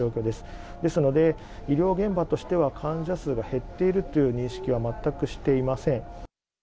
ですので、医療現場としては、患者数が減っているという認識は全くしていません。